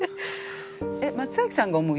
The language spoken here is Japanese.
えっ松崎さんが思う